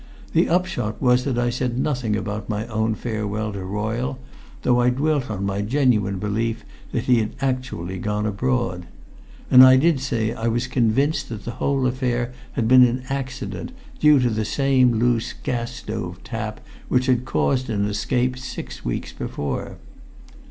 The upshot was that I said nothing about my own farewell to Royle, though I dwelt upon my genuine belief that he had actually gone abroad. And I did say I was convinced that the whole affair had been an accident, due to the same loose gas stove tap which had caused an escape six weeks before.